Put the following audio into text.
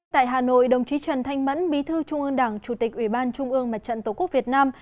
tại hà nội đồng chí trần thanh mẫn bí thư trung ương đảng chủ tịch ủy ban trung ương mặt trận tổ quốc việt nam